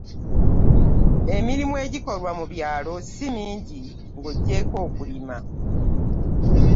Emirimu egikolwa mu byalo si mingi ng'oggyeeko okulima.